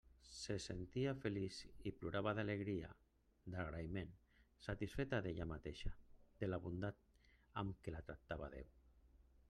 Se sentia feliç i plorava d'alegria, d'agraïment, satisfeta d'ella mateixa, de la bondat amb què la tractava Déu.